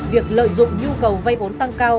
việc lợi dụng nhu cầu vay vốn tăng cao